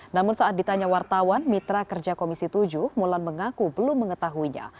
namun saat ditanya wartawan mitra kerja komisi tujuh mulan mengaku belum mengetahuinya